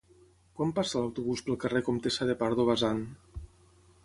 Quan passa l'autobús pel carrer Comtessa de Pardo Bazán?